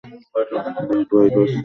Dave, ভয় পাচ্ছি।